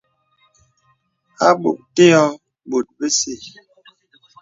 À bòk tè ɔ̄ɔ̄ bòt bèsɛ̂.